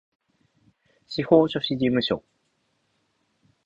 司法書士事務所